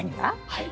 はい。